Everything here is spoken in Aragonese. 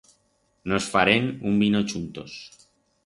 Nos farem un vino chuntos.